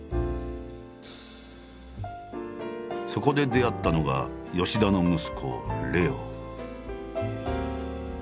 そこで出会ったのが田の息子玲雄。